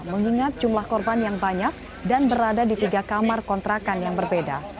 mengingat jumlah korban yang banyak dan berada di tiga kamar kontrakan yang berbeda